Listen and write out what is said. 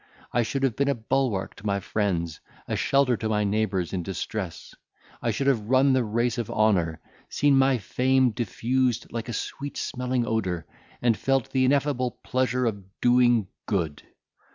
I should have been a bulwark to my friends, a shelter to my neighbours in distress. I should have run the race of honour, seen my fame diffused like a sweet smelling odour, and felt the ineffable pleasure of doing good.